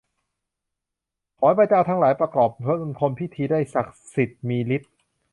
ขอให้ข้าพเจ้าทั้งหลาย ประกอบมงคลพิธี ได้ศักดิ์สิทธิ์มีฤทธิ์